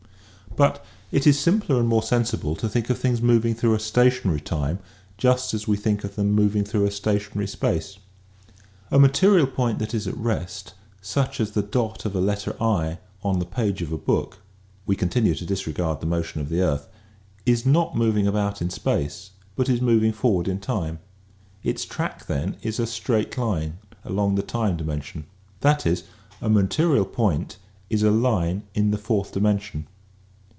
But it is simpler and 50 EASY LESSONS IN EINSTEIN more sensible to think of things moving through a sta tionary time just as we think of them moving through a stationary space. A material point that is at rest, such as the dot of an ^' on this page, (we continue to disregard the motion of the earth) is not moving about in space but is moving forward in time. Its track then is a straight Hne along the time dimension. That is, a material point is a line in the fourth dimension.